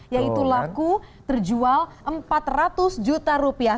yaitu laku terjual empat ratus juta rupiah